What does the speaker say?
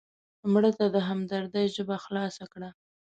مړه ته د همدردۍ ژبه خلاصه کړه